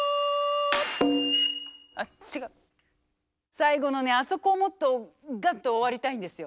最後のねあそこをもっとガッと終わりたいんですよ。